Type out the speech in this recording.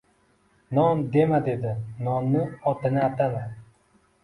— Non dema! — dedi. — Nonni otini atama!